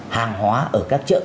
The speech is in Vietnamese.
hàng hóa ở các chợ